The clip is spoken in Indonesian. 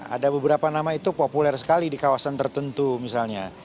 ada beberapa nama itu populer sekali di kawasan tertentu misalnya